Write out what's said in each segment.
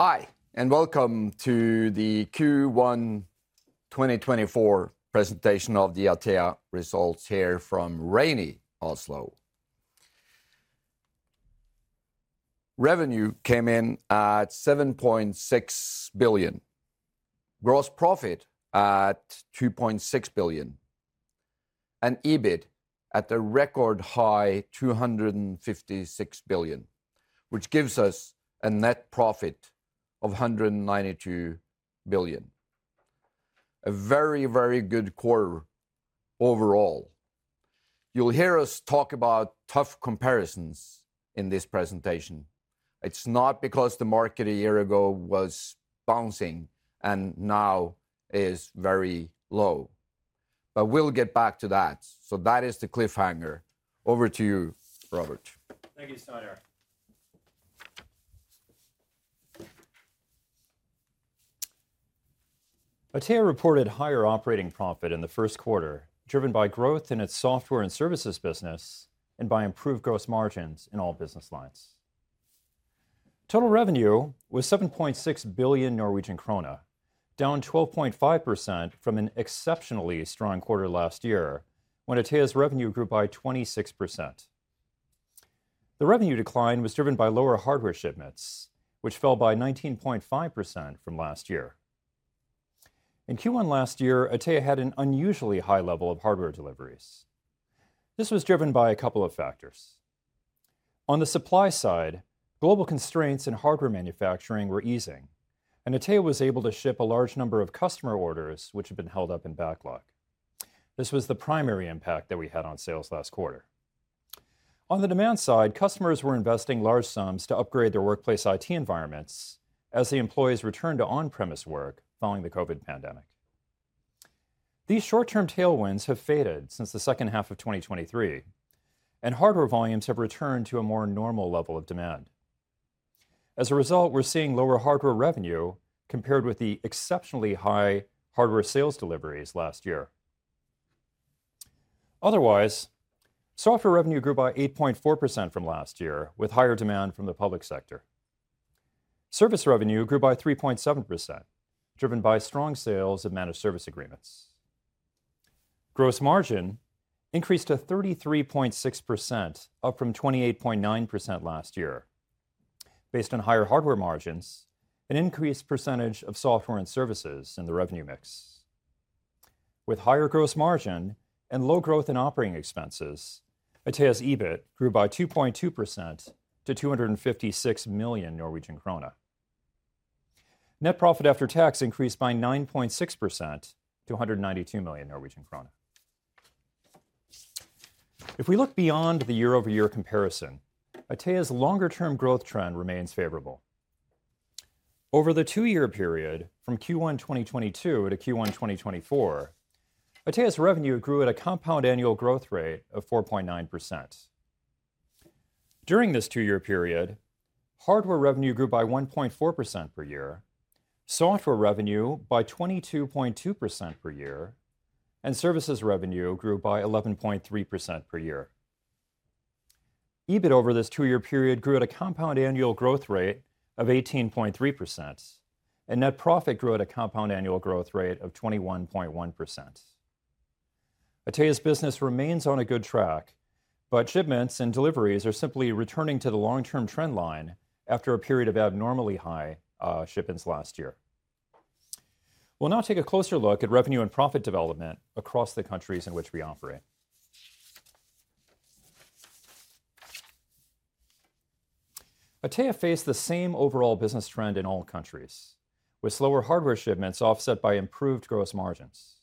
Hi, and welcome to the Q1 2024 presentation of the Atea results here from rainy Oslo. Revenue came in at 7.6 billion, gross profit at 2.6 billion, and EBIT at a record high 256 million, which gives us a net profit of 192 million. A very, very good quarter overall. You'll hear us talk about tough comparisons in this presentation. It's not because the market a year ago was bouncing and now is very low, but we'll get back to that. So that is the cliffhanger. Over to you, Robert. Thank you, Steinar. Atea reported higher operating profit in the first quarter, driven by growth in its software and services business and by improved gross margins in all business lines. Total revenue was 7.6 billion Norwegian krone, down 12.5% from an exceptionally strong quarter last year, when Atea's revenue grew by 26%. The revenue decline was driven by lower hardware shipments, which fell by 19.5% from last year. In Q1 last year, Atea had an unusually high level of hardware deliveries. This was driven by a couple of factors. On the supply side, global constraints in hardware manufacturing were easing, and Atea was able to ship a large number of customer orders which had been held up in backlog. This was the primary impact that we had on sales last quarter. On the demand side, customers were investing large sums to upgrade their workplace IT environments as the employees returned to on-premise work following the COVID pandemic. These short-term tailwinds have faded since the second half of 2023, and hardware volumes have returned to a more normal level of demand. As a result, we're seeing lower hardware revenue compared with the exceptionally high hardware sales deliveries last year. Otherwise, software revenue grew by 8.4% from last year, with higher demand from the public sector. Service revenue grew by 3.7%, driven by strong sales of managed service agreements. Gross margin increased to 33.6%, up from 28.9% last year, based on higher hardware margins, an increased percentage of software and services in the revenue mix. With higher gross margin and low growth in operating expenses, Atea's EBIT grew by 2.2% to 256 million Norwegian krone. Net profit after tax increased by 9.6% to NOK 192 million. If we look beyond the year-over-year comparison, Atea's longer-term growth trend remains favorable. Over the two-year period, from Q1 2022 to Q1 2024, Atea's revenue grew at a compound annual growth rate of 4.9%. During this two-year period, hardware revenue grew by 1.4% per year, software revenue by 22.2% per year, and services revenue grew by 11.3% per year. EBIT over this two-year period grew at a compound annual growth rate of 18.3%, and net profit grew at a compound annual growth rate of 21.1%. Atea's business remains on a good track, but shipments and deliveries are simply returning to the long-term trend line after a period of abnormally high shipments last year. We'll now take a closer look at revenue and profit development across the countries in which we operate. Atea faced the same overall business trend in all countries, with slower hardware shipments offset by improved gross margins.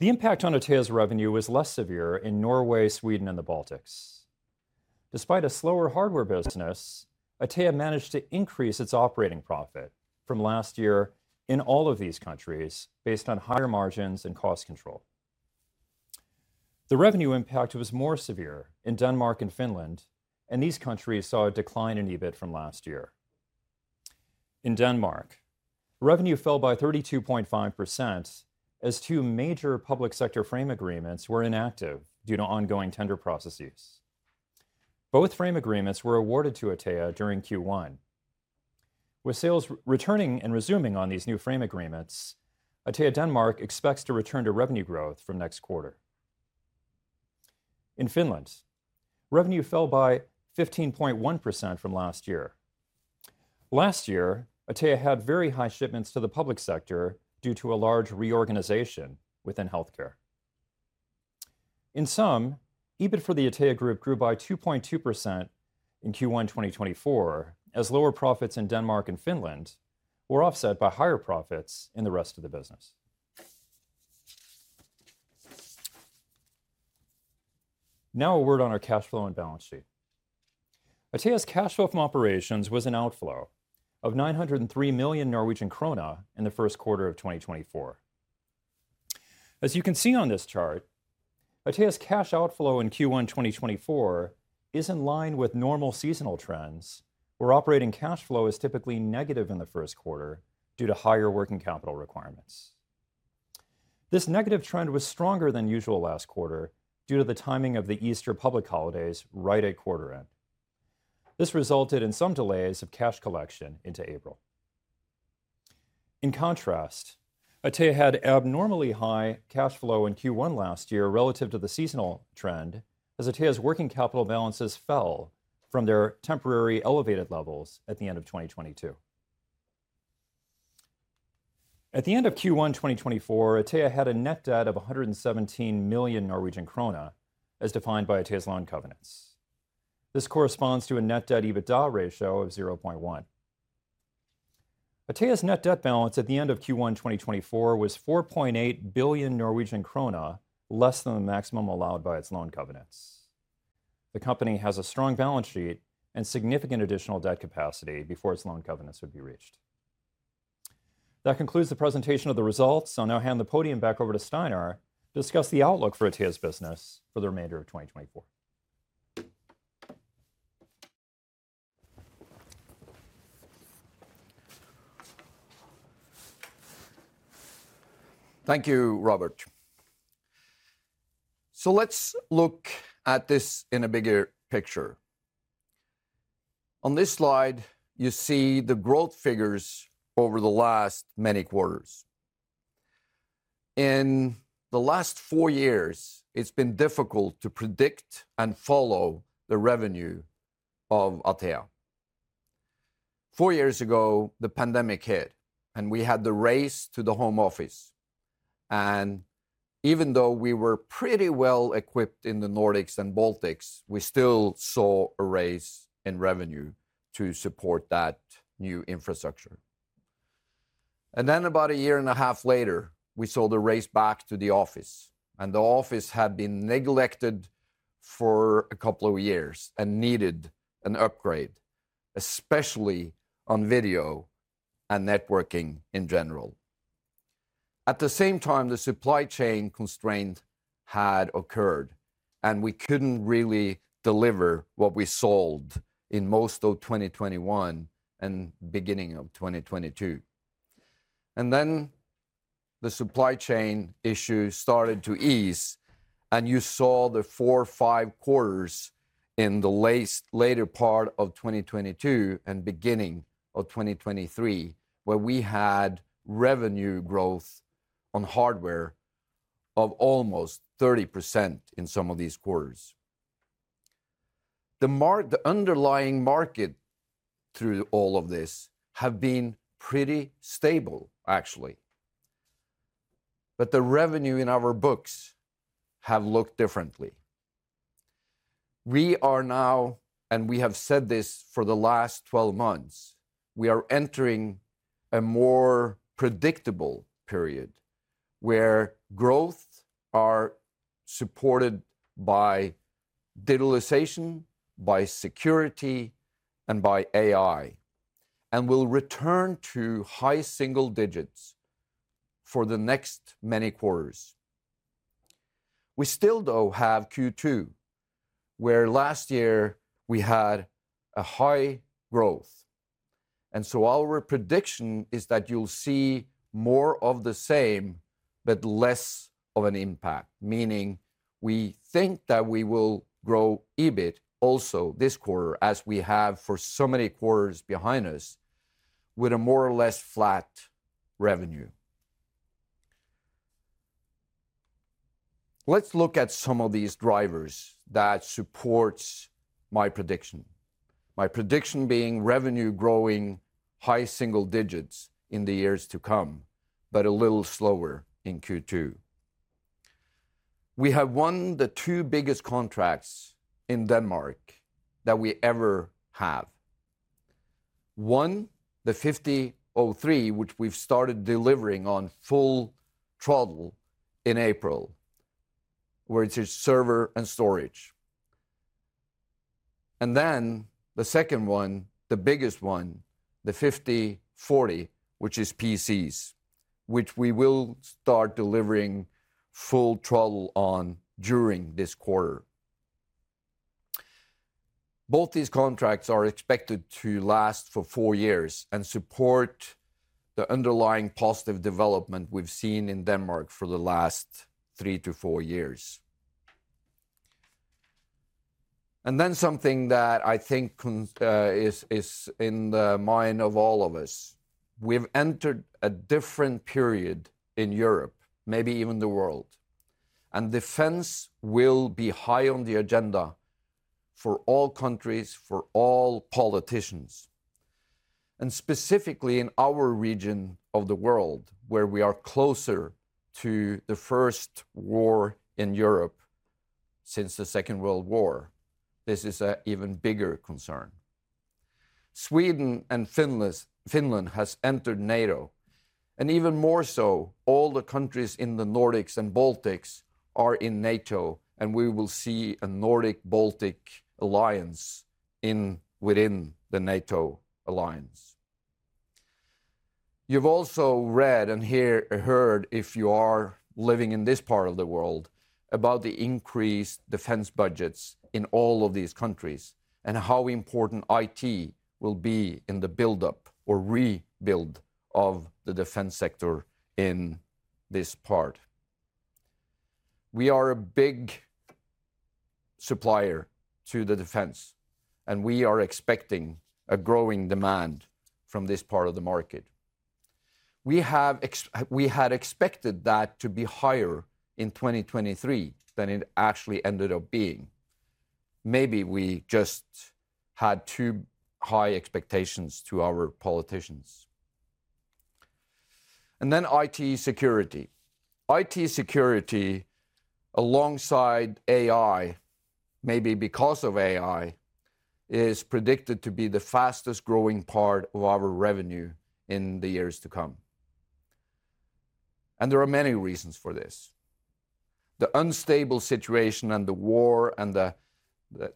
The impact on Atea's revenue was less severe in Norway, Sweden, and the Baltics. Despite a slower hardware business, Atea managed to increase its operating profit from last year in all of these countries based on higher margins and cost control. The revenue impact was more severe in Denmark and Finland, and these countries saw a decline in EBIT from last year. In Denmark, revenue fell by 32.5%, as two major public sector frame agreements were inactive due to ongoing tender processes. Both frame agreements were awarded to Atea during Q1. With sales returning and resuming on these new frame agreements, Atea Denmark expects to return to revenue growth from next quarter. In Finland, revenue fell by 15.1% from last year. Last year, Atea had very high shipments to the public sector due to a large reorganization within healthcare. In sum, EBIT for the Atea group grew by 2.2% in Q1 2024, as lower profits in Denmark and Finland were offset by higher profits in the rest of the business. Now, a word on our cash flow and balance sheet. Atea's cash flow from operations was an outflow of 903 million Norwegian krone in the first quarter of 2024. As you can see on this chart, Atea's cash outflow in Q1 2024 is in line with normal seasonal trends, where operating cash flow is typically negative in the first quarter due to higher working capital requirements. This negative trend was stronger than usual last quarter due to the timing of the Easter public holidays right at quarter end. This resulted in some delays of cash collection into April. In contrast, Atea had abnormally high cash flow in Q1 last year relative to the seasonal trend, as Atea's working capital balances fell from their temporary elevated levels at the end of 2022. At the end of Q1 2024, Atea had a net debt of 117 million Norwegian krone, as defined by Atea's loan covenants. This corresponds to a net debt EBITDA ratio of 0.1. Atea's net debt balance at the end of Q1 2024 was 4.8 billion Norwegian krone, less than the maximum allowed by its loan covenants. The company has a strong balance sheet and significant additional debt capacity before its loan covenants would be reached. That concludes the presentation of the results. I'll now hand the podium back over to Steinar to discuss the outlook for Atea's business for the remainder of 2024. Thank you, Robert. So let's look at this in a bigger picture. On this slide, you see the growth figures over the last many quarters. In the last 4 years, it's been difficult to predict and follow the revenue of Atea. 4 years ago, the pandemic hit, and we had the race to the home office, and even though we were pretty well equipped in the Nordics and Baltics, we still saw a race in revenue to support that new infrastructure. And then about a year and a half later, we saw the race back to the office, and the office had been neglected for a couple of years and needed an upgrade, especially on video and networking in general. At the same time, the supply chain constraint had occurred, and we couldn't really deliver what we sold in most of 2021 and beginning of 2022. And then the supply chain issue started to ease, and you saw the four, five quarters in the later part of 2022 and beginning of 2023, where we had revenue growth on hardware of almost 30% in some of these quarters. The underlying market through all of this have been pretty stable, actually, but the revenue in our books have looked differently. We are now, and we have said this for the last 12 months, we are entering a more predictable period, where growth are supported by digitalization, by security, and by AI, and will return to high single digits for the next many quarters. We still, though, have Q2, where last year we had a high growth, and so our prediction is that you'll see more of the same, but less of an impact, meaning we think that we will grow EBIT also this quarter, as we have for so many quarters behind us, with a more or less flat revenue. Let's look at some of these drivers that supports my prediction. My prediction being revenue growing high single digits in the years to come, but a little slower in Q2. We have won the two biggest contracts in Denmark that we ever have. One, the 50.03, which we've started delivering on full throttle in April, which is server and storage. And then the second one, the biggest one, the 50.40, which is PCs, which we will start delivering full throttle on during this quarter. Both these contracts are expected to last for four years and support the underlying positive development we've seen in Denmark for the last three to four years. Then something that I think is in the mind of all of us, we've entered a different period in Europe, maybe even the world, and defense will be high on the agenda for all countries, for all politicians. And specifically in our region of the world, where we are closer to the first war in Europe since the Second World War, this is an even bigger concern. Sweden and Finland, Finland has entered NATO, and even more so, all the countries in the Nordics and Baltics are in NATO, and we will see a Nordic-Baltic alliance within the NATO alliance. You've also read and heard, if you are living in this part of the world, about the increased defense budgets in all of these countries and how important IT will be in the buildup or rebuild of the defense sector in this part. We are a big supplier to the defense, and we are expecting a growing demand from this part of the market. We had expected that to be higher in 2023 than it actually ended up being. Maybe we just had too high expectations to our politicians. And then IT security. IT security, alongside AI, maybe because of AI, is predicted to be the fastest growing part of our revenue in the years to come, and there are many reasons for this. The unstable situation, and the war, and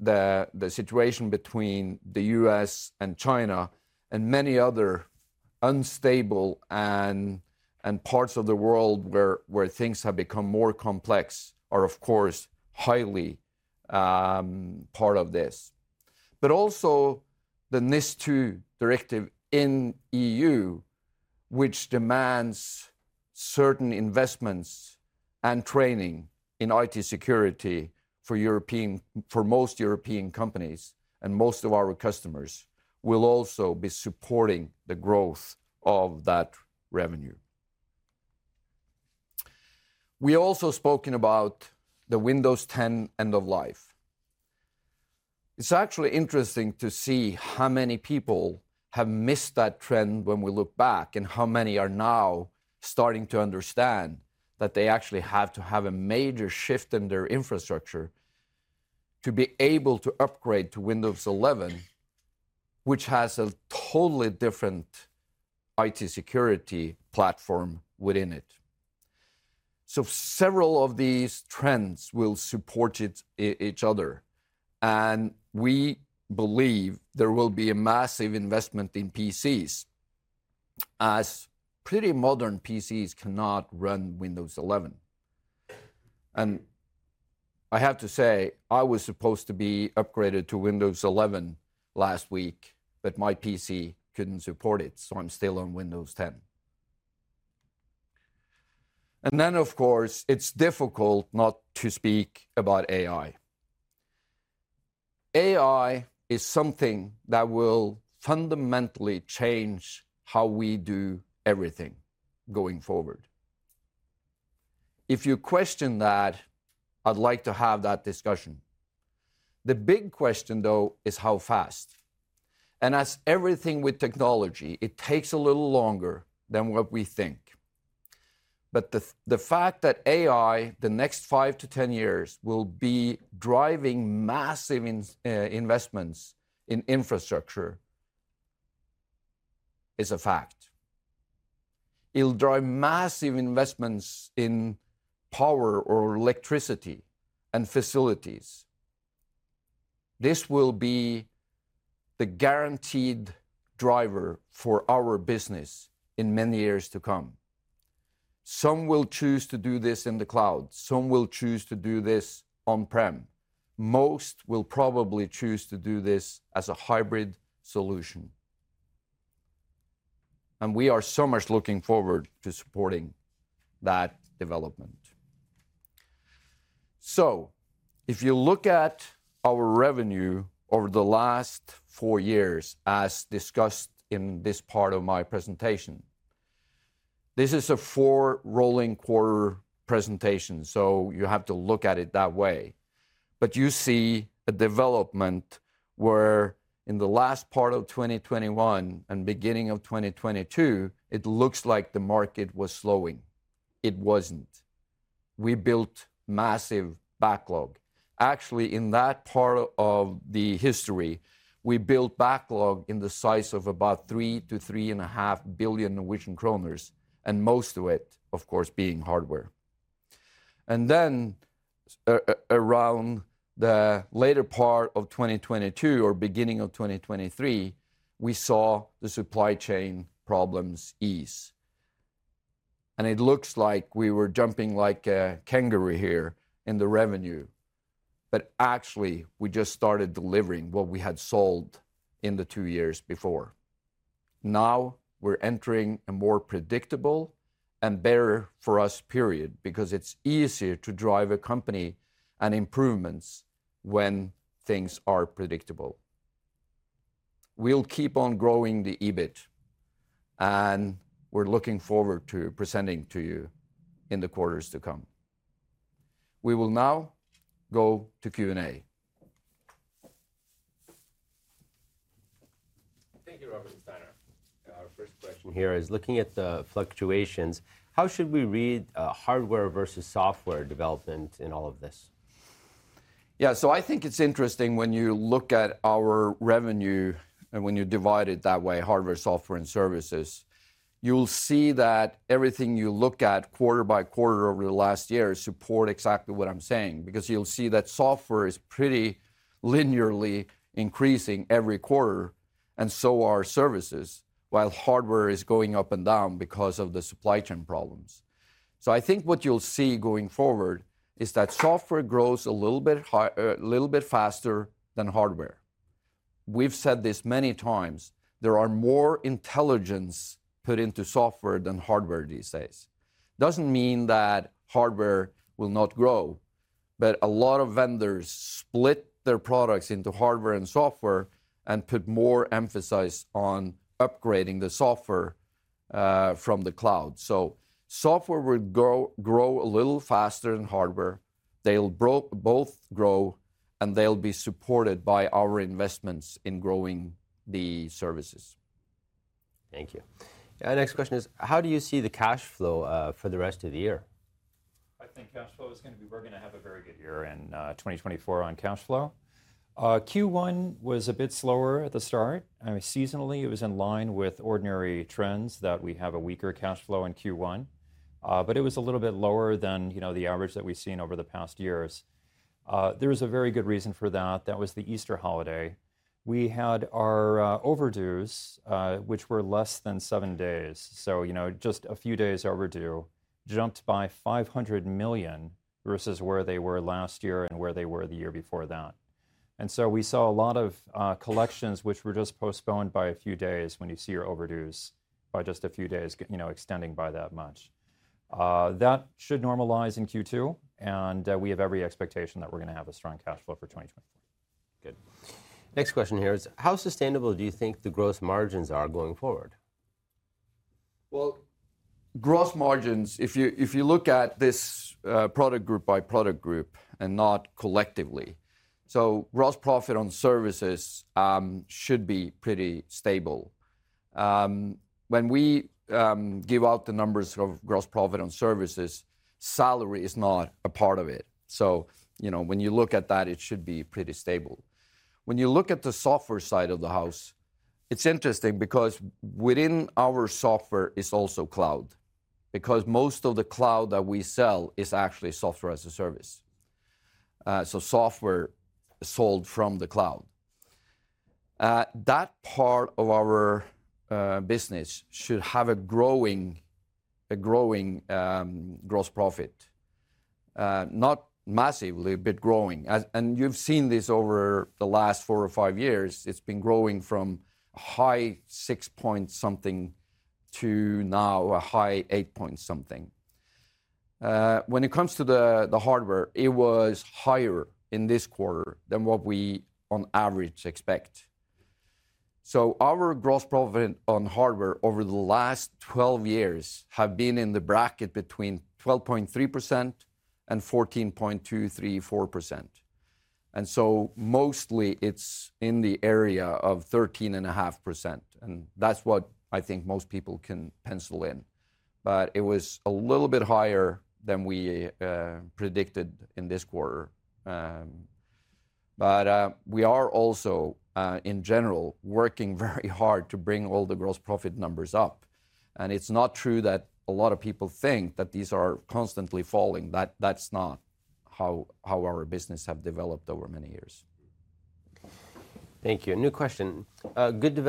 the situation between the U.S. and China, and many other unstable and parts of the world where things have become more complex are, of course, highly part of this. But also the NIS2 Directive in the E.U., which demands certain investments and training in IT security for European, for most European companies, and most of our customers, will also be supporting the growth of that revenue. We also spoken about the Windows 10 end of life. It's actually interesting to see how many people have missed that trend when we look back, and how many are now starting to understand that they actually have to have a major shift in their infrastructure to be able to upgrade to Windows 11, which has a totally different IT security platform within it. So several of these trends will support it, each other, and we believe there will be a massive investment in PCs, as pretty modern PCs cannot run Windows 11. And I have to say, I was supposed to be upgraded to Windows 11 last week, but my PC couldn't support it, so I'm still on Windows 10. And then, of course, it's difficult not to speak about AI. AI is something that will fundamentally change how we do everything going forward. If you question that, I'd like to have that discussion. The big question, though, is how fast? And as everything with technology, it takes a little longer than what we think. But the fact that AI, the next 5-10 years, will be driving massive investments in infrastructure is a fact. It'll drive massive investments in power or electricity and facilities. This will be the guaranteed driver for our business in many years to come. Some will choose to do this in the cloud, some will choose to do this on-prem. Most will probably choose to do this as a hybrid solution. And we are so much looking forward to supporting that development. So if you look at our revenue over the last four years, as discussed in this part of my presentation, this is a four-rolling quarter presentation, so you have to look at it that way. But you see a development where, in the last part of 2021 and beginning of 2022, it looks like the market was slowing. It wasn't. We built massive backlog. Actually, in that part of the history, we built backlog in the size of about 3 billion-3.5 billion Norwegian kroner, and most of it, of course, being hardware. And then, around the later part of 2022 or beginning of 2023, we saw the supply chain problems ease. It looks like we were jumping like a kangaroo here in the revenue, but actually, we just started delivering what we had sold in the two years before. Now, we're entering a more predictable and better, for us, period, because it's easier to drive a company and improvements when things are predictable. We'll keep on growing the EBIT, and we're looking forward to presenting to you in the quarters to come. We will now go to Q&A. Thank you, Robert Giori. Our first question here is: looking at the fluctuations, how should we read hardware versus software development in all of this? Yeah, so I think it's interesting when you look at our revenue and when you divide it that way, hardware, software, and services. You'll see that everything you look at quarter by quarter over the last year support exactly what I'm saying, because you'll see that software is pretty linearly increasing every quarter, and so are services, while hardware is going up and down because of the supply chain problems. So I think what you'll see going forward is that software grows a little bit faster than hardware. We've said this many times, there are more intelligence put into software than hardware these days. Doesn't mean that hardware will not grow, but a lot of vendors split their products into hardware and software, and put more emphasis on upgrading the software from the cloud. So software will grow, grow a little faster than hardware. They'll both grow, and they'll be supported by our investments in growing the services. Thank you. Our next question is: How do you see the cash flow for the rest of the year? I think cash flow is gonna be we're gonna have a very good year in 2024 on cash flow. Q1 was a bit slower at the start. I mean, seasonally, it was in line with ordinary trends, that we have a weaker cash flow in Q1. But it was a little bit lower than, you know, the average that we've seen over the past years. There was a very good reason for that. That was the Easter holiday. We had our overdues, which were less than seven days, so, you know, just a few days overdue, jumped by 500 million versus where they were last year and where they were the year before that. We saw a lot of collections which were just postponed by a few days when you see your overdues by just a few days, you know, extending by that much. That should normalize in Q2, and we have every expectation that we're gonna have a strong cash flow for 2024. Good. Next question here is: how sustainable do you think the gross margins are going forward? Well, gross margins, if you, if you look at this, product group by product group and not collectively, so gross profit on services, should be pretty stable. When we give out the numbers of gross profit on services, salary is not a part of it. So, you know, when you look at that, it should be pretty stable. When you look at the software side of the house, it's interesting because within our software is also cloud, because most of the cloud that we sell is actually software as a service. So software sold from the cloud. That part of our business should have a growing, a growing, gross profit. Not massively, but growing. And you've seen this over the last 4 or 5 years, it's been growing from high 6 point something to now a high 8 point something. When it comes to the hardware, it was higher in this quarter than what we on average expect. So our gross profit on hardware over the last 12 years have been in the bracket between 12.3% and 14.234%. And so mostly it's in the area of 13.5%, and that's what I think most people can pencil in. But it was a little bit higher than we predicted in this quarter. But we are also in general working very hard to bring all the gross profit numbers up, and it's not true that a lot of people think that these are constantly falling. That's not how our business have developed over many years. Thank you. A new question. Good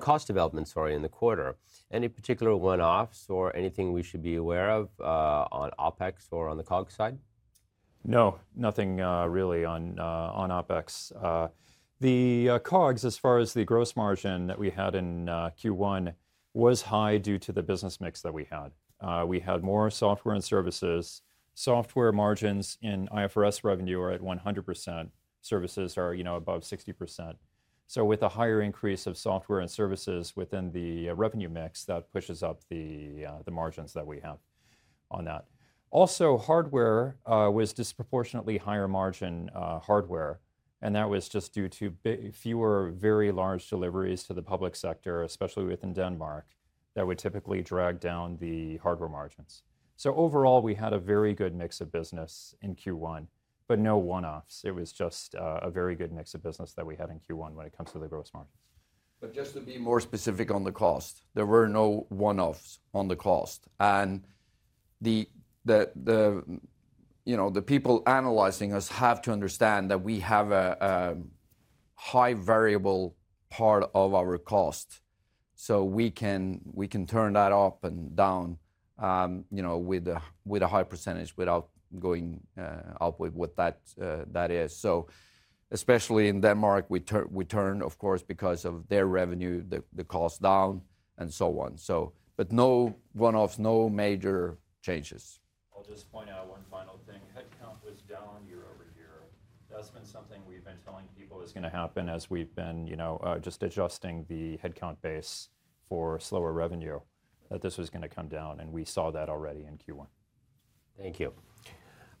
cost development, sorry, in the quarter. Any particular one-offs or anything we should be aware of on OpEx or on the COGS side? No, nothing, really on OpEx. The COGS, as far as the gross margin that we had in Q1, was high due to the business mix that we had. We had more software and services. Software margins in IFRS revenue are at 100%. Services are, you know, above 60%. So with a higher increase of software and services within the revenue mix, that pushes up the margins that we have on that. Also, hardware was disproportionately higher margin hardware, and that was just due to fewer very large deliveries to the public sector, especially within Denmark, that would typically drag down the hardware margins. So overall, we had a very good mix of business in Q1, but no one-offs. It was just a very good mix of business that we had in Q1 when it comes to the gross margins. But just to be more specific on the cost, there were no one-offs on the cost. You know, the people analyzing us have to understand that we have a high variable part of our cost, so we can turn that up and down, you know, with a high percentage without going up with what that is. So especially in Denmark, we turn, of course, because of their revenue, the cost down, and so on. But no one-offs, no major changes. I'll just point out one final thing. Headcount was down year-over-year. That's been something we've been telling people is gonna happen as we've been, you know, just adjusting the headcount base for slower revenue, that this was gonna come down, and we saw that already in Q1. Thank you.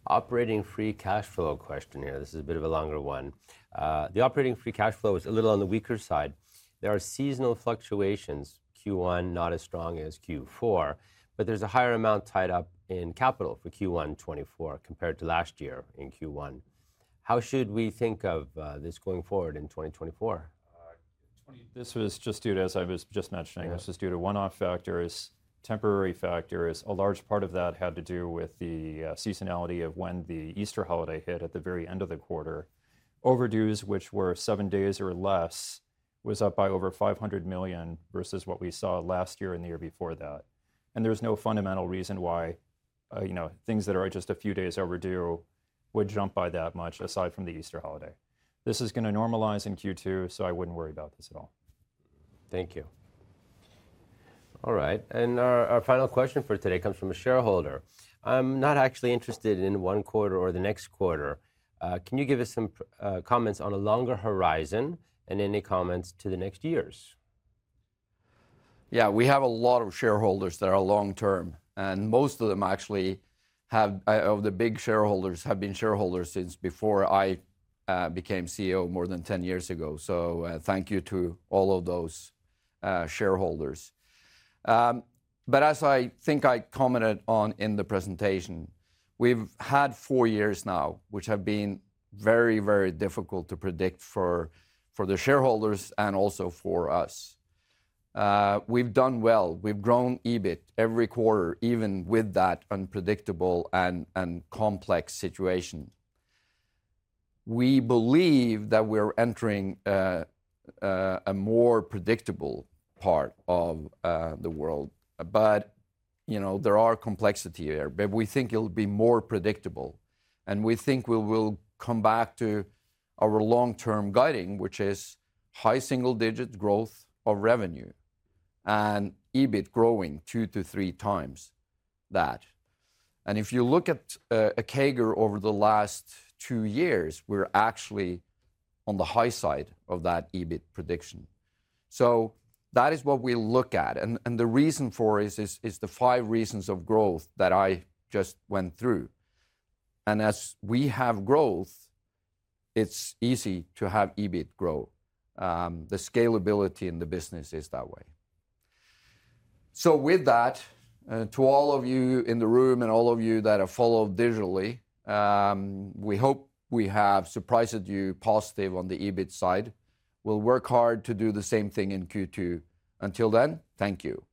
Operating free cash flow question here. This is a bit of a longer one. The operating free cash flow is a little on the weaker side. There are seasonal fluctuations, Q1 not as strong as Q4, but there's a higher amount tied up in capital for Q1 2024 compared to last year in Q1. How should we think of this going forward in 2024? This was just due to, as I was just mentioning- Yeah... this is due to one-off factors, temporary factors. A large part of that had to do with the seasonality of when the Easter holiday hit at the very end of the quarter. Overdues, which were seven days or less, was up by over 500 million versus what we saw last year and the year before that, and there's no fundamental reason why you know, things that are just a few days overdue would jump by that much, aside from the Easter holiday. This is gonna normalize in Q2, so I wouldn't worry about this at all. Thank you. All right, and our final question for today comes from a shareholder: "I'm not actually interested in one quarter or the next quarter. Can you give us some comments on a longer horizon, and any comments to the next years? Yeah, we have a lot of shareholders that are long-term, and most of them actually have, of the big shareholders, have been shareholders since before I became CEO more than 10 years ago. So, thank you to all of those shareholders. But as I think I commented on in the presentation, we've had 4 years now, which have been very, very difficult to predict for the shareholders and also for us. We've done well. We've grown EBIT every quarter, even with that unpredictable and complex situation. We believe that we're entering a more predictable part of the world. But, you know, there are complexity here, but we think it'll be more predictable, and we think we will come back to our long-term guiding, which is high single-digit growth of revenue and EBIT growing 2-3 times that. And if you look at a CAGR over the last two years, we're actually on the high side of that EBIT prediction. So that is what we look at, and the reason for it is the five reasons of growth that I just went through. And as we have growth, it's easy to have EBIT grow. The scalability in the business is that way. So with that, to all of you in the room and all of you that have followed digitally, we hope we have surprised you positive on the EBIT side. We'll work hard to do the same thing in Q2. Until then, thank you.